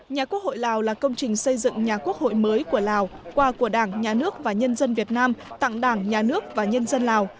nhà quốc hội lào là công trình xây dựng nhà quốc hội mới của lào qua của đảng nhà nước và nhân dân việt nam tặng đảng nhà nước và nhân dân lào